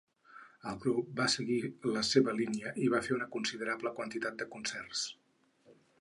El grup va seguir la seva línia i va fer una considerable quantitat de concerts.